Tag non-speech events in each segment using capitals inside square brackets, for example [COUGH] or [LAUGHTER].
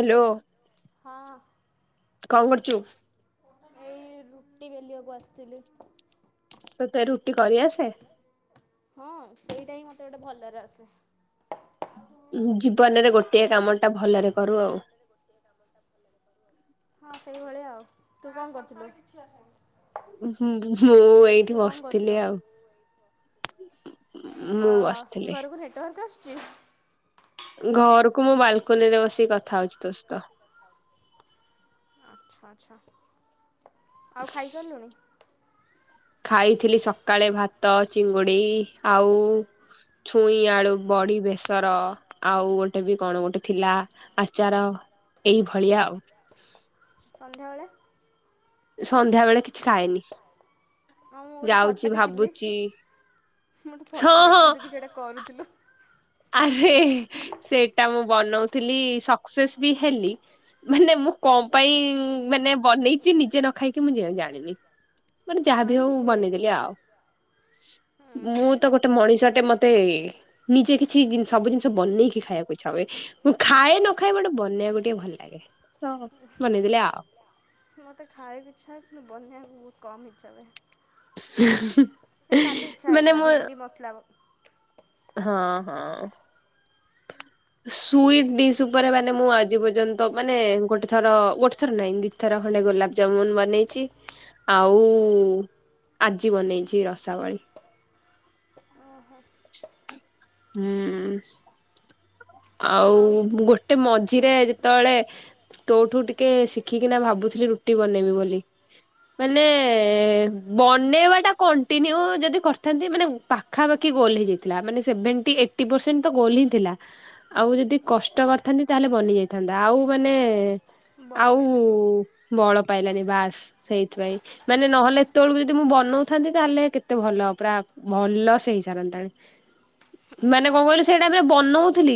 Hello. ହଁ କଁ କର୍ ଚୁ? ଏଇ ରୁଟି ବେଲିବାକୁ ଆସିଥିଲି। ତତେ ରୁଟି କରି ଆସେ? ହଁ ସେଇଟା ହିଁ ମତେ ଗୋଟେ ଭଲରେ ଆସେ। ଉଁ ଯି ନରେ ଗୋଟଏ କାମଟା ଭଲରେ କରୁ ଆଉ। ହଁ ସେଇଭଳିଆ ଆଉ ତୁ କଣ କରୁଥୁଲୁ? ମୁଁ ଏଇଠି କଣ କରୁଥିଲୁ? ବସିଥିଲି ଆଉ। ମୁଁ ଓ ହୋ ବସିଥିଲି ଘରକୁ ନେଟ୍ ୱାର୍କ୍ ଆ କି ଘରୁକୁ ମୁଁ ବାଲକୁନି ରେ ବସି କଥା ହୋଉଚି ତୋ ସହିତ। ଆଚ୍ଛା ଆଚ୍ଛା। ଆଉ ଖାଇସାରିଲୁଣି? ଖାଇଥିଲି ସକାଳେ ଭାତ, ଚିଙ୍ଗୁଡି ଆଉ ଛୁଇଁ, ଆଳୁ, ବଡି ବେସର, ଆଉ ଗୋଟେ ବି କଣ ଗୋଟେ ଥିଲା ଆଚାର ଏଇଭଳିଆ ଆଉ। ସନ୍ଧ୍ୟାବେଳେ? ସନ୍ଧ୍ୟା ବେଳେ କିଛି ଖାଏନି। ହଁ ମୁଁ ଗୋଟେ ଫଟୋ ଯାଉଛି ଦେଖିଥିଲି। ଭାବୁଛି ମୁଁ ଗୋଟେ ହଁ ଫଟୋ ଦେଖିଥିଲି ତୁ କିଛି ଗୋଟେ ହଁ। କରୁଥିଲୁ। ଆରେ ସେଇଟା ମୁଁ ବନୋଉଥିଲି ସକ୍ସେସ୍ ବି ହେଲି ମାନେ ମୁଁ କଣ ପାଇଁ ମାନେ ବନେଇଚି ନିଜେ ନ ଖାଇକି ମୁଁ ଜାଣିନି। ମାନେ ହଁ ଯାହାବି ଏମିତି ହଉ ହୁଏ ବନେଇଦେଲି ଆଉ। ହୁଁ ମୁଁ ତ ଗୋଟେ ମଣିଷଟେ ମତେ ନିଜେ କି ଛି ସବୁ ଜିନିଷ ବନେଇକି ଖାଇବାକୁ ଇଚ୍ଛ ହଏ ମୁଁ ଖାଏ ନ ଖାଏ ଗୋଟେ ବନେଇବାକୁ ଟିକେ ଭଲ ଲାଗେ, ତ ବନେଇଦେଲେ ଆଉ। [UNINTELLIGIBLE] ଚବେ ନାଇଁ କାଲି ଇଚ୍ଛା ମାନେ ହେଥିଲା ମୁଁ ଭେଣ୍ଡି ମସ୍ଲା ହଁ ହଁ ସୁଇଟ୍ ଡିସ୍ ଉପରେ ମାନେ ମୁଁ ଆଜି ପର୍ଯ୍ୟନ୍ତ ମାନେ ଗୋଟେ ଥର ଗୋଟେ ଥର ନାହିଁ ଦି ଥର ଖଣ୍ଡେ ଗୋଲାପ ଜାମୁନ୍ ବନେଇଚି ଆଉ ଆଜି ବନେଇଚି ରସାବଳୀ ଓହୋ ହୁଁ ଆଉ ଗୋଟେ ମ ରେ ଯେତେବେଳେ ତୋଠୁ ଟିକେ ଶିଖିକିନା ଭାବୁଥିଲି ରୁଟି ବନେଇବି ବୋଲି ମାନେ ବନେଇବା ଟା କଣ୍ଟିନ୍ୟୁ ଯଦି କରିଥାନ୍ତି ମାନେ ପାଖାପାଖି ଗୋଲ ହେଇଯାଇଥିଲା ମାନେଭେ ଏ ପରସେଣ୍ଟ ତ ଗୋଲ ହିଁ ଥିଲା ଆଉ ଯଦି କଷ୍ଟ କରିଥାନ୍ତି ତାହେଲେ ବନିଯାଇଥାନ୍ତା ଆଉ ମାନେ ବଳ ଆଉ ପାଇଲାନି। ବଳ ପାଇଲାନି ବାସ୍ ସେଇଥିପାଇଁ ମାନେ ନହେଲେ ଏତେବେଳକୁ ଯଦି ମୁଁ ବନଉଥାନ୍ତି ତାହେଲେ କେତେ ଭଲ ପୁରା ଭଲ ସେ ହେଇ ସାରନ୍ତାଣି ମାନେ କଣ କହିଲୁ ସେଇଟା ବନଉଥିଲି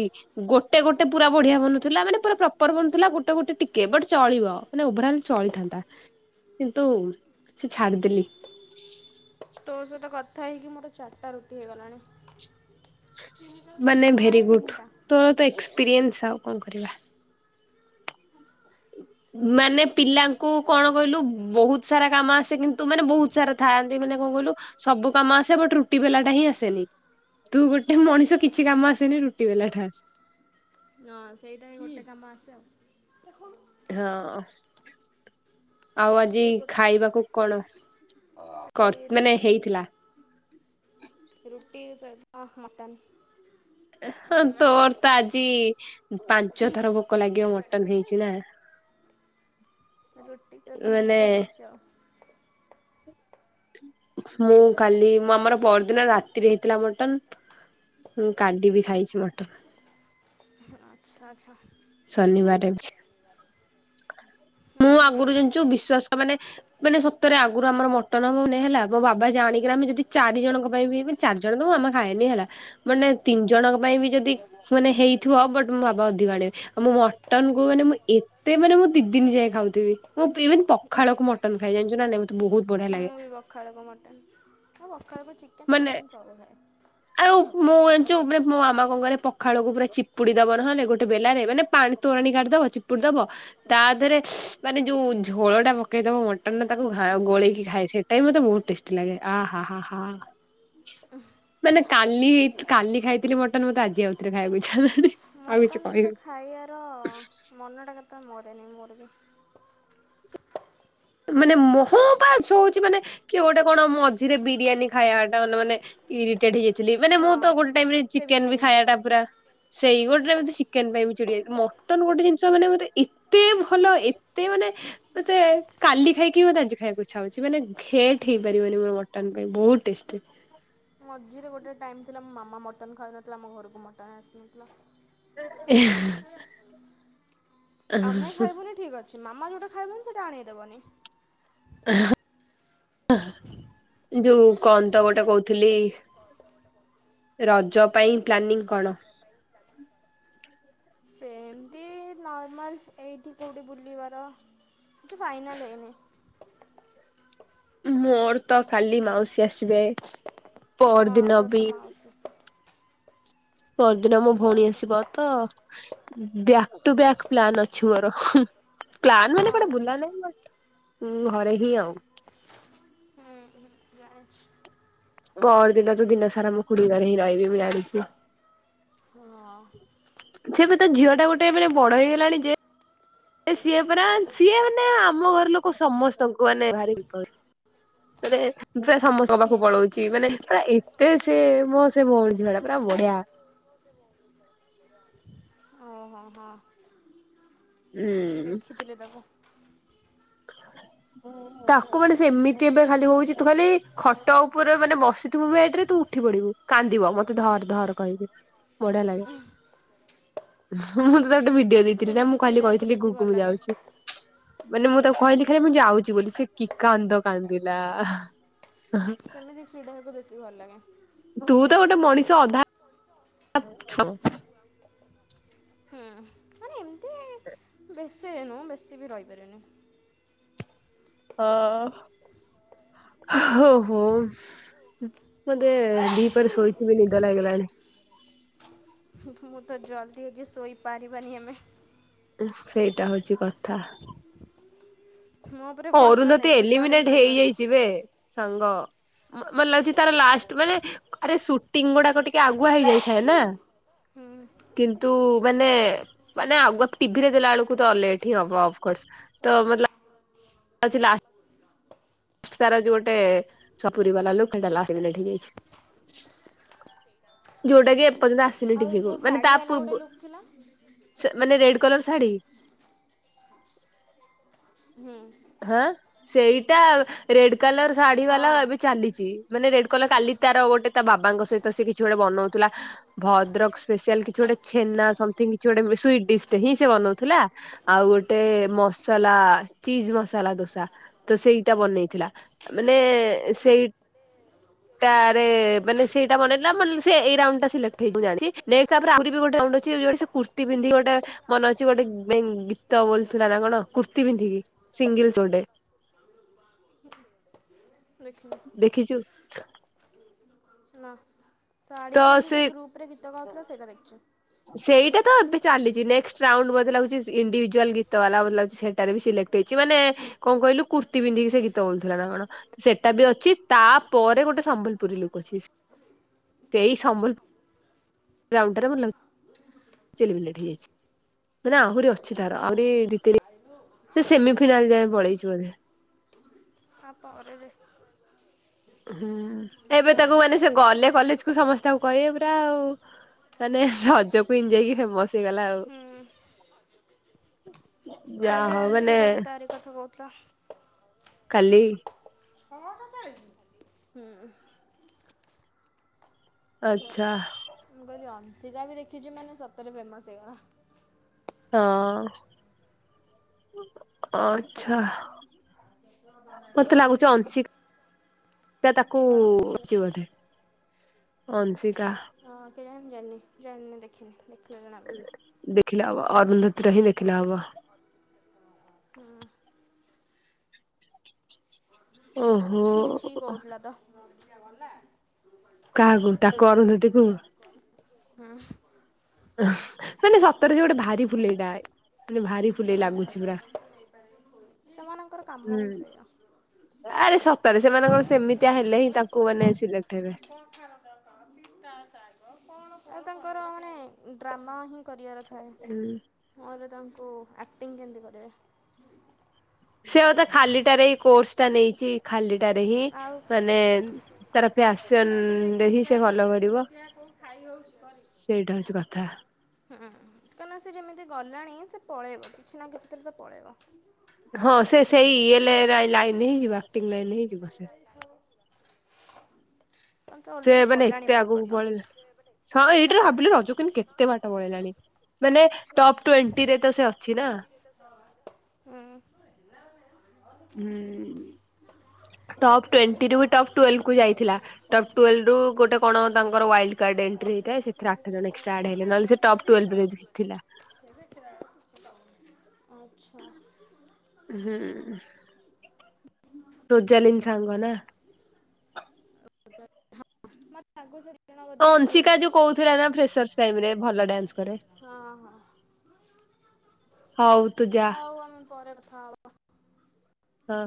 ଗୋଟେ ଗୋଟେ ପୁରା ବଢିଆ ବନୁଥିଲା ମାନେ ପୁରା ପ୍ରପର ବନୁଥିଲା ଗୋଟେ ଗୋଟେ ଟିକେ ବଟ ଚଳିବ ମାନେ ଓଭର ଅଲ ଚଳିଥାନ୍ତା କିନ୍ତୁ ସେ ଛାଡିଦେଲି ତୋ ସହିତ କଥା ହେଇକି ମୋରେ ଚାରିଟା ରୁଟି ହେଇଗଲାଣି। ମାନେ ଆମର ଏ ଭେରି ଗୁଡ ତିନିଟା। ତର ତ ଏସପ ଆଉ କଣ କରିବା ମାନେ ପିଲାଙ୍କୁ କଣ କହିଲୁ ବହୁତ ସାରା କାମ ଆସେ କିନ୍ତୁ ମାନେ ବହୁତ ସାରା ଥାଆନ୍ତି ମାନେ କଣ କହିଲୁ ସବୁ କାମ ଆସେ ବଟ ରୁଟି ବେଲା ଟା ହିଁ ଆସେନି ତୁ ଗୋଟେ ମଣିଷ କିଛି କାମ ଆସେନି ରୁଟି ବେଲାଟା ଆସେ ନ ସେଇଟା ଗୋଟେ କାମ ଆସ ଆଉ ହଁ ଆଉ ଆଜି ସେଇ ଗୋଟେ ଖାଇବାକୁ କଣ କର ମାନେ ରୁଟି ହେଇଥିଲା। ରୁଟି ସ ମଟନ୍ ହ ମଟନ୍ ଆସେ? ତୋର ତ ଆଜି ପାଞ୍ଚ ଥର ପୋକ ଲାଗିବ ମଟନ ହେଇଛି ନା ରୁଟି ସହିତ ମାନେ ମଟନ୍ ଅଛି ଆଉ। ହଁ କାଲି ମୁଁ ଆମର ପରଦିନ ରାତିରେ ହେଇଥିଲା ମଟନ କାଲି ବି ଖାଇଛି ମଟନ୍ ଆଛା ଆଛା ଶନିବାର ମୁଁ ହୁଁ ହୁଁ ଆଗରୁ ଜାଣିଛୁ ବିଶ୍ଵାସ ମାନେ ମାନେ ସତରେ ଆଗରୁ ଆମର ମଟନ ହଉନି ହେଲା ମୋ ବାବା ଜାଣିକିନା ଆମେ ଯଦି ଚାରି ଜଣଙ୍କ ପାଇଁ ବି ମାନ ଚାରି ଜଣ ତ ମୁଁ ଆମେ ଖାଏନି ହେଲା ମାନେ ତିନି ଜଣଙ୍କ ପାଇଁ ବି ଯଦି ମାନେ ହେଇଥିବ ବଟ ମୋ ବାବା ଅଧିକ ଆଣିବେ ଆଉ ମୁଁ ମଟନ କୁ ମାନେ ମୁଁ ଏତେ ମାନେ ମୁଁ ଦି ଦିନ ଯାଏ ଖାଉଥିବିଁ ଇନ ପଖାଳକୁ ମଟନ ଖାଇ ଜାଣିଛୁ ନା ନାଇଁ ମତେ ବହୁ ମୁଁ ବି ବଖାଳ ହେବ ମଟନ୍ ଆଉ ବଖାଳ ହେବ ଚିକେନ ମାନେ କେ ଚାବ ନାଇଁ ଆଉ ମୁଁ ଜଛୁ ମାନେ ମୋ ମାମା କଙ୍କରେ ପଖାଳକୁ ପୁରା ଚିପୁଡି ଦବ ନହେଲେ ଗୋଟେ ବେଲାରେ ମାନେ ପାଣି ତୋରାଣୀ କାଢିଦବ ଚିପୁଡି ଦବ ତା ଦେହରେ ମାନେ ଯୋଉ ଝୋଳ ଟା ପକେଇ ଦବ ମୋ ପଟ ତାକୁ ଖା ଗୋଳକି ଖାଏ ସେଇଟା ମତେ ବହୁତ ଟେଟି ଲାଗେ ଆହ ହ ହଁ ମାନେ କାଲି ହେଇ କାଲି ଖାଇଥିଲି ମଟନ ମତେ ଆଜି ଆଉଥରେ ଖାଇବାକୁ ଛାଉ କି? ମୁ ତ ଖାଇବାର ମନଟା କେତେ ମୋରେ ନାହିଁ ମୋ [INAUDIBLE] ମାନେ ମହ ପାଶ ହଉଛି ମାନେ କି ଗୋଟେ କଣ ମ ମଝିରେ ବିରିୟାନୀ ଖାଇବା ଟା ମାନେ ମାନେ ଇରିଟେଟ ହେଇଯାଇଥିଲି ମାନେ ମୁଁ ହଁ ତ ଗୋଟେ ଟାଇମରେ କେତେ ଚିକେନ ବି ବିରିୟାନୀ ଖାଇବା ଖାଇଲେ। ଟା ପୁରା ସେଇ ଗୋଟେ ଟାଇ ଚିକେନ ପାଇଁ ବି ଚଡିାଇ ମଟନ୍ ଗୋଟେ ଜିନିଷ ମାନେ ମତେ ଏତେ ଭଲ ଏତେ ମାନେ ସେ କାଲି ଖାଇକି ମଁ ଆଜି ଖାଇବାକୁ ଇଚ୍ଛା ହୋଉଛି। କି ମାନେ ଘେଟ୍ ହେଇପାରିବନି ମ ମଟନ୍ ପାଇଁ ବହୁତ୍ ଟେଷ୍ଟି। ମଝିରେ ଗୋଟେ ଟାଇମ୍ ଥିଲା ମୋ ମାମା ମଟନ୍ ଖାଉନଥିଲା ଆମ ଘରକୁ ମଟନ୍ ଆସିନଥିଲା। [UNINTELLIGIBLE] ଆମେ ଖାଇବୁନି ଠିକ୍। [UNINTELLIGIBLE] କି ମାମା ଯୋଉଟା ଖାଇବନି ସେଇଟା ଆଣେଇ ଦେବନି। [UNINTELLIGIBLE] ଯୋଉ କଣ ତ ଗୋଟେ କହୁଥିଲି ରଜ ପାଇଁ ପ୍ଲାନିଙ୍ଗ୍ କଣ? ସେମିତି ନର୍ମାଲ୍ ଏଇଠି କୋଉଠି ବୁଲିବାର, କି ଫାଇନାଲ୍ ହେଇନି। ମୋର ତ କାଲି ମାଉସୀ ଆସ୍ ବେ ପଅର ହଁ ଦିନ ତୋର ବି ତ ମାଉସୀ ପଅରଦିନ ମୋ ଭଉଣୀ ଆସିବ ତ, ବ୍ୟାକ୍ ଟୁ ବ୍ୟାକ୍ ପ୍ଲାନ୍ ଅଛି ମୋର ପ୍ଲାନ୍ ମାନେ କୁଆଡ଼େ ହଁ ବୁଲା ନାହିଁ ବଟ୍ ଘରେ ହିଁ ଆଉ। ହୁଁ ହୁଁ ଜାଣିଛି। ପଅରଦିନ ତ ଦିନସାରା ମୁଁ ଖୁଡ଼ି ଘରେ ହିଁ ରହିବି ମୁଁ ଜାଣିଛି। ହଁଅ ସେଏବେ ତ ଝିଅଟା ଗୋଟେ ମାନେ ବଡ଼ ହୋଇଗଲାଣି ଯେ [INAUDIBLE] ସିଏ ପୁରା ସିଏ ମାନେ ଆମ ଘର ଲୋକ ସମସ୍ତଙ୍କୁ ମାନେ ଭାରି [UNINTELLIGIBLE] ଗୋଟେ ପୁରା ସମସ୍ତଙ୍କ ପାଖକୁ କିଏ ପଳଉଚି ମାନେ ପୁରା ଏତେ ସେ ମୋ ସେ ଭଉଣୀ ଝିଅଟା ପୁରା ବଢ଼ିଆ। ହଉ ହଉ ହଁ। ହୁଁଉଁଉଁ। ଦେଖିଥିଲି ତାକୁ ତାକୁ ମାନେ ସେମିତି ଏବେ ଖାଲି ହଉଛି ତୁ ଖାଲି ଖଟ ଉପରେ ମାନେ ବସିଥିବୁ ବେଡ଼ରେ ତୁ ଉଠି ପଡ଼ିବୁ, କାନ୍ଦିବ ମତେ ଧର୍ ଧର୍ କହିକି। ବଢ଼ିଆ ଲାଗେ। [UNINTELLIGIBLE] ମୁଁ ତ ତାକୁ ଟିକେ ଭିଡ଼ି [UNINTELLIGIBLE] ଦେଇଥିଲି ନା ସେମିତି ମୁଁ ଖାଲି ଚିଡ଼ାକୁ କହିଥିଲି ବେଶୀ ଗୁଗୁ ଭଲ ମୁଁ ଲାଗେ ଯାଉଛି ମାନେ ମୁଁ ତ କହିଲି ଖାଲି ମୁଁ ଯାଉଛି ବୋଲି ସେ କି କାନ୍ଦ କାନ୍ଦିଲା ସେମିତି ଚିଡ଼େଇଆକୁ ବେଶୀ ଭଲ ଲାଗେ। ତୁ ତ ଗୋଟେ ମଣିଷ ଅଧା। ହାକ୍ ଛୁ ହୁଁ ମାନେ ଏମିତି ବେଶୀ ନୁ ବେଶୀ ବି ରହିପାରିବନି। ଓଓଓ ହୋ ହୋ ମତେ ଦିପହରେ ଶୋଇକି ବି ନିଦ ଲାଗିଲାଣି। ମୁଁ ତ ଜଲଦି ଆଜି ଶୋଇ ପାରିବାନି ଆମେ। ହୁଁ ସେଇଟା ହଉଛି କଥା। ମୋ ଉପରେ ଭରସା ଅରୁନ୍ଧତୀ ନାହିଁ କେତେବେଳେ ବି ଏଲିମିନେଟ୍ ଶୋଇପଡ଼େ ହେଇଯାଇଛି ବେ ସାଙ୍ଗ। ମ ମତେ ଲାଗୁଛି ତାର ଲାଷ୍ଟ୍ ମାନେ ଆରେ ସୁଟିଙ୍ଗ୍ ଗୁଡ଼ାକ ଟିକେ ଆଗୁଆ ହେଇଯାଇଥାଏ ନା, ହୁଁ। କିନ୍ତୁ ମାନେ ମାନେ ଆଗୁ ତ ଟିଭିରେ ଦେଲା ବେଳକୁ ତ ଲେଟ୍ ହିଁ ହବ ଅଫକୋର୍ସ ତ ମତଲବ୍ ହଉଛି ଲା ତାର ଯୋଉ ଗୋଟେ ସପୁରୀ ବାଲା ଲୁକ୍ [UNINTELLIGIBLE] ହେଇଯାଇଛି, ଯୋଉଟାକି ଏ ପର୍ଯ୍ୟନ୍ତ ଆସ୍ ଆଉ ଯୋଉ ଶାଢ଼ୀବାଲା ଗୋଟେ ଲୁକ୍ ଥିଲା କଲର୍ ଶାଢ଼ୀ। ହୁଁ। ହଁ ସେଇଟା ରେଡ୍ କଲର୍ ଶାଢୀ ବାଲା ହଁ ଏବେ ଚାଲିଛି ମାନେ ରେଡ୍ କହିଲା କାଲି ତାର ଗୋଟେ ତା ବାବାଙ୍କ ସହିତ ସେ କିଛି ଗୋଟେ ବନଉଥିଲା ଭଦ୍ରକ ସ୍ପେସିଆଲ କିଛି ଗୋଟେ ଛେନା ସମ୍ଥିଙ୍ଗ କିଛି ଗୋଟେ ସୁଇଟ ଡିସ୍ ଟା ହିଁ ସେ ବନଉଥିଲା ଆଉ ଗୋଟେ ମସଲା ଚିଜ ମସଲା ମସଲା ଦୋସା ତ ସେଇଟା ବନେଇଥିଲା ମାନେ ସେଇଟାରେ ମାନେ ସେଇଟା ବନେଇଥିଲା ମତ୍ଲବ୍ ସିଏ ଏଇ ରାଉଣ୍ଡ୍ ଟା ସିଲେକ୍ଟ ହେଇଯିବ ମୁଁ ଜାଣିଚି ନେକ୍ସଟ୍ ତାପରେ ଆମ୍ୱିବି ଗୋଟେ ରାଉଣ୍ଡ ଅଛି ଯୋଉଠି ସେ କୁର୍ତ୍ତି ପିନ୍ଧି କି ଗୋଟେ ମନେଅଛି ଗୋଟେ ବେଙ୍ଗଲୀ ଗୀତ ବୋଲୁଥିଲା ନା କଣ କୁର୍ତୀ ପିନ୍ଧିକି। ସିଙ୍ଗିଲ୍ ତୋଡେ ଦେଖିନି ଦେଖିଛୁ ତ ଶାଢୀ ସେ ପିନ୍ଧିକି ଗ୍ରୁପରେ ଗୀତ ଗାଉଥିଲା ସେଇଟା ଦେଖୁଛୁ। ସେଇଟା ତ ଏବେ ଚାଲିଛି ନକ୍ ରାଉଣ୍ଡେ ଲାଗୁଛି ଇଣ୍ଡିଭିଜୁଆଲ ଗୀତ ବାଲା ଲାଗୁଛି ସେଟାରେ ବି ସିଲେକ୍ଟ ହେଇଛି ମାନେ କଣ କହିଲୁ କୁର୍ତ୍ତିୀ ପିନ୍ଧିକି ସେ ଗୀତ ବୋଲୁଥିଲା ନା କଣ ସେଇଟା ବି ଅଛି ତାପରେ ଗୋଟେ ସମ୍ବଲପୁରୀ ଲୁକ୍ ଅଛି। ସେଇ ସବଲ ଗଉଣ୍ଡର ମ ଲ ହୋଇ ମାନେ ଆହୁରି ଅଛି ତାର ଆହୁରି ଓହୋ ଦନି ସେମି ଫାଇନାଲ ଯାଏ ପଳେଇଛି ବୋ ଆ ପରେ ଯେ ହୁଁ ଏବେ ଓହୋ ତାକୁ ମାନେ ସେ ଗଲେ କଲେଜ କୁ ସମସ୍ତ କହିବେ ପୁରା ଆଉ ମାନେ ରଜ କ ଯାଇକି ଫେମସ ହେଇଗଲା ଆଉ ହୁଁ। ଯାହା କାଲି ହଉ ଅଂଶ ମାନେ କ ବି ତାର କଥା ବହୁତ [UNINTELLIGIBLE] କାଲି ସମଛ ହୁଁ ଆଛା ମୁଁ କହିଲି ଅଂସିକା ବି ଦେଖିଛି ମାନେ ସତରେ ଫେମସ ହେଇଗଲା। ହଁ ଆଛା ମତେ ଲାଗୁଛି ଅଂଶିକାିକା କଣ? ତାକୁଛି ବୋଧେ ଅଂଶିକା ହଁ କେଜାଣି ଜାଣିନି ଜାଣିନି ଦେଖିନି ଦେଖିଲଣପଡ଼ ଅ ଉନ୍ଧତିରହି ଦେଖିଲ ହ ହୁଁ ଓହୋ ଗଲଲା କାହାକୁ ତାକୁ କରନ୍ତକୁ ହୁଁ ମାନେ ସତରେ ସେ ଗୋଟେ ଭାରି ଫୁଲେଇଟା ମାନେ ଭାରି ଫୁଲେଇ ହୁଁ ଲାଗୁଛି ପୁରା ସେମାନଙ୍କର କାମ ହୁଁ ହିଁ ସେଇଆ। ଆରେ ରେ ସେମାନେଙ୍କଣ ସେମିତିଆ ହେଲେ ହିଁ ତାଙ୍କୁ ମାନେ ସିଲେକ୍ଟ ହେବେ ଆଉ ତାଙ୍କର ମାନେ ଡ୍ରାମା ହିଁ କରିବାର ଥିଲା। ହୁଁ ଥାଏ ମୋର ତାଙ୍କୁ ଆକ୍ଟିଂ କେମିତି କରିବେ ସେ ହଉ ତେ ଖାଲିଟାରେ ଏଇ କୋର୍ସ ଟା ନେଇଛି ଖାଲି ଆଁ ତାର ପ୍ୟାସନ ରେ ହିଁ ସେ ଭଲ କରିବ। ସେଇଟା ହଉଛି କଥା କଁ ସେ ଯେମିତି ଗଲାଣି ପଳେଇବ କିଛି ନା କିଛି ରେ ତ ପଳେଇବ ହଁ ସେ ସେଇ ହେଲୋଇ ନେଇଯିବ ଆକ୍ଟିଂ ଲାଇନ୍ ହେଇଯିବ ସେ କାରଣ ସେ ଅଲରେଡ଼ି ମାନେ ଗଲାଣି ଏତେ ବହୁତ ଆଗକୁ ବାଟ ପଳେଇିଲା ଏଇଟା ଭାବିଲି ରଜ କିମୁ କେତେ? କେତେ ବାଟ ପଳେଇଲାଣି ମାନେ ଟପ୍ ଟ୍ୱେଣ୍ଟି ରେ ତ ସେ ଅଛି ନା ହୁଁ। ହୁଁ ଟପ୍ ଟ୍ୱଣ୍ଟି ରୁ ଟପ୍ ଟୁ କୁ ଯାଇଥିଲା ଟୁୱଲ୍ଭ ରୁ ଗୋଟେ କଣ ତାଙ୍କର ୱାଇଲଡ କାର୍ଡ ଏଣ୍ଟ୍ରି ହେଇଥାଏ ସେଥିରେ ଆଠ ଜଣ ଏକ୍ସଟ୍ରା ମେଡିସିନ ଆଡ ହେଲେ ଖାଇଲି ନହଲେ ସେ ଟପ୍ ଆଣ୍ଟିବାୟୋଟିକ୍ସ ଟୁୱଲ୍ଭ ରେ ଥିଲା। ସେ ଦେଖିଲା ବେଳକୁ କିଛି କମୁନି। ଆଚ୍ଛା ହୁଁ। ରୋଜଜାଲିନ ସାଙ୍ଗ ନା। [INAUDIBLE] ଅଂଶିକା ଯୋଉ କହୁଥିଲା ନା ଫ୍ରେସର ସାଇବ୍ ରେ ଭଲ ଡ୍ୟାନ୍ସ କରେ। ହଁ ହଁ। ହଉ ତୁ ଯା ହଉ ଆମେ ପରେ କଥା ହବା ହଁ।